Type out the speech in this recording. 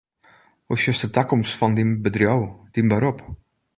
Hoe sjochst de takomst fan dyn bedriuw, dyn berop?